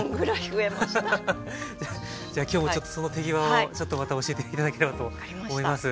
じゃあ今日もちょっとその手際をちょっとまた教えて頂ければと思います。